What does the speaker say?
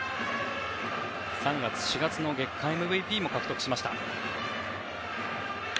３月、４月の月間ＭＶＰも獲得しました。